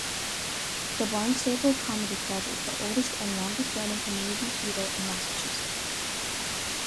The Barnstable Comedy Club is the oldest and longest-running community theater in Massachusetts.